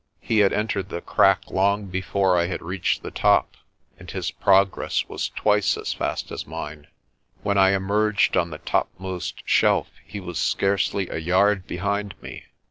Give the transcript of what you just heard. He had entered the crack long before I had reached the top and his progress was twice as fast as mine. When I emerged on the topmost shelf he was scarcely a yard behind me.